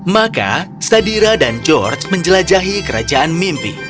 maka stadira dan george menjelajahi kerajaan mimpi